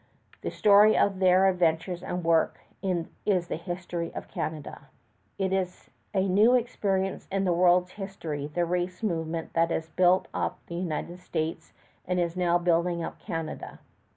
The story of their adventures and work is the history of Canada. It is a new experience in the world's history, this race movement that has built up the United States and is now building up Canada.